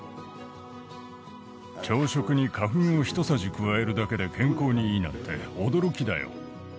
朝食に花粉をひとさじ加えるだけで健康にいいなんて驚きだよ。